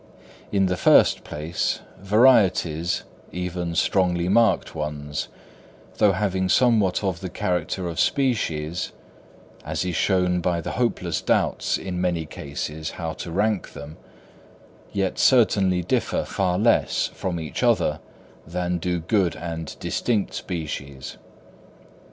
In the first place, varieties, even strongly marked ones, though having somewhat of the character of species—as is shown by the hopeless doubts in many cases how to rank them—yet certainly differ far less from each other than do good and distinct species.